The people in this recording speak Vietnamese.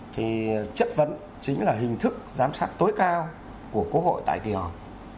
thì chất vấn chính là hình thức giám sát tối cao của quốc hội tại kỳ họp